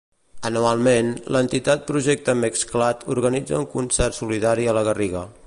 Anualment, l'entitat Projecte Mexcla't organitza un concert solidari a la Garriga.